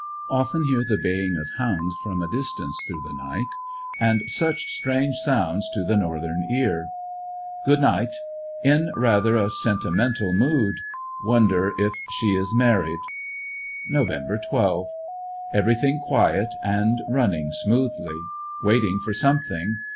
Often hear the baying of hounds from a distance, through the night — and such strange sounds to the Northern ear. Good night. In rather a sentimental mood. Won der if she is married? Nov. 12. — Everything quiet and running smoothly. Waiting for something.